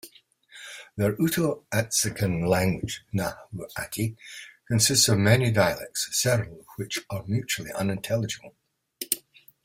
Their Uto-Aztecan language, Nahuatl, consists of many dialects, several of which are mutually unintelligible.